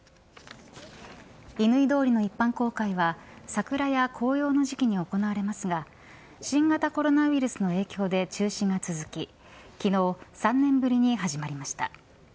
乾通りの一般公開は桜や紅葉の時期に行われますが新型コロナウイルスの影響で中止が続き、昨日、３年ぶりに始まりました。